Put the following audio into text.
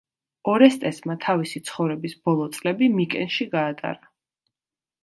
ორესტესმა თავისი ცხოვრების ბოლო წლები მიკენში გაატარა.